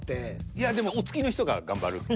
いやでもお付きの人が頑張る。